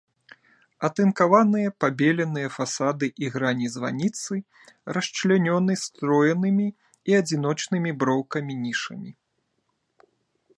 Атынкаваныя пабеленыя фасады і грані званіцы расчлянёны строенымі і адзіночнымі броўкамі нішамі.